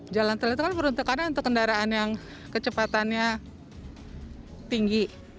jalan tol itu kan peruntukannya untuk kendaraan yang kecepatannya tinggi